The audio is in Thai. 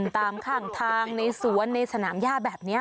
ตามข้างทางในสวนในสนามย่าแบบนี้